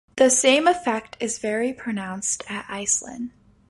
The same effect is very pronounced at Iceland.